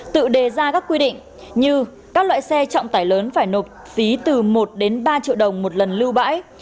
tự đề ra các quy định như các loại xe trọng tải lớn phải nộp phí từ một đến ba triệu đồng một lần lưu bãi